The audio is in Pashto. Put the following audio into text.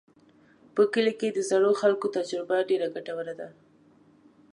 په کلي کې د زړو خلکو تجربه ډېره ګټوره ده.